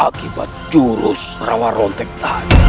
akibat jurus rawarontik tadi